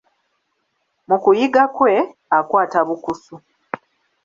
Mu kuyiga kwe, akwata bukusu.